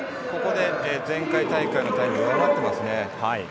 ここで前回大会のタイム上回ってますね。